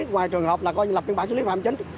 ngoài trường hợp là coi như lập phiên bản xử lý phạm chính